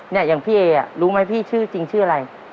อย่างพี่เออ่ะรู้ไหมพี่ชื่อจริงชื่ออะไร